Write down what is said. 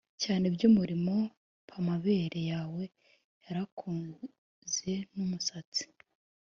cyane by umurimbo p Amabere yawe yarakuze n umusatsi